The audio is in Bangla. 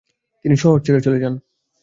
তিনি শহর ছেড়ে চলে যান।